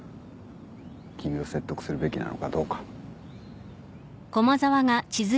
君を説得するべきなのかどうか。